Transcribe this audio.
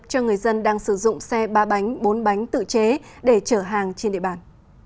cho người dân đang sử dụng xe ba bánh bốn bánh tự chế để chở hàng trên địa bàn